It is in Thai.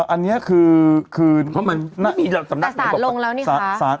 อันนี้คือสารลงแล้วนี่คะ